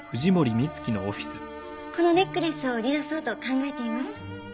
このネックレスを売り出そうと考えています。